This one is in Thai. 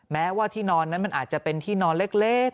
แม้ว่าที่นอนนั้นมันอาจจะเป็นที่นอนเล็ก